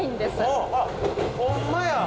ほんまや。